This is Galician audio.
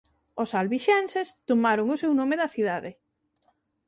Os albixenses tomaron o seu nome da cidade.